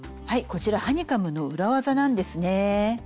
こちらハニカムの裏技なんですね。